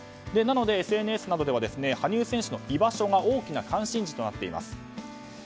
なので、ＳＮＳなどでは羽生選手の居場所が大きな関心事となっています。